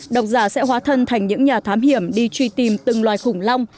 độc giả sẽ hóa thân thành những nhà thám hiểm đi truy tìm từng loài khủng long